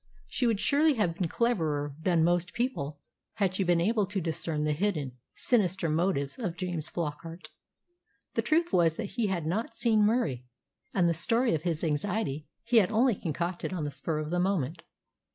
She would surely have been cleverer than most people had she been able to discern the hidden, sinister motives of James Flockart. The truth was that he had not seen Murie, and the story of his anxiety he had only concocted on the spur of the moment.